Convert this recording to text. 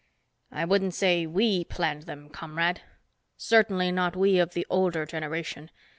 "I wouldn't say we planned them, comrade. Certainly not we of the older generation.